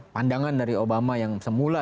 pandangan dari obama yang semula